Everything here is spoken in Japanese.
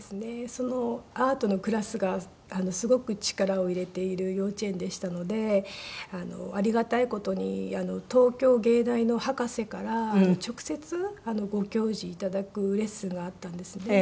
そのアートのクラスがすごく力を入れている幼稚園でしたのでありがたい事に東京藝大の博士から直接ご教示頂くレッスンがあったんですね。